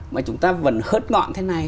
mà chúng ta vẫn hớt ngọn thế này